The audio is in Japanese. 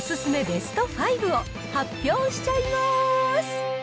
ベスト５を発表しちゃいます。